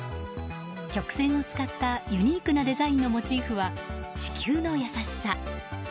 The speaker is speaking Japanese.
曲線を使ったユニークなデザインのモチーフは子宮の優しさ。